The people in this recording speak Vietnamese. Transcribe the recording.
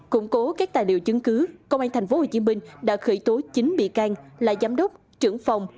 củng cố các tài liệu chứng cứ công an tp hcm đã khởi tố chín bị can là giám đốc trưởng phòng